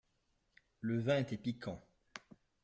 Le vin était piquant.